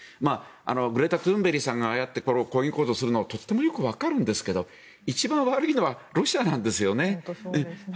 グレタ・トゥーンベリさんがああやって抗議活動をするのはとってもよくわかるんですが一番悪いのはロシアなんですよね。